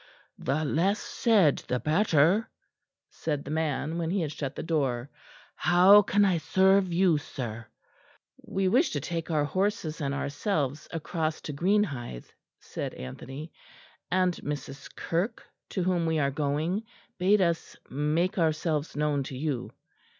"The less said the better," said the man, when he had shut the door. "How can I serve you, sir?" "We wish to take our horses and ourselves across to Greenhithe," said Anthony, "and Mrs. Kirke, to whom we are going, bade us make ourselves known to you."